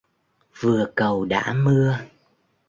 Vừa cầu đã mưa!